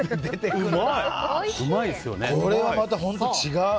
これはまた本当違う。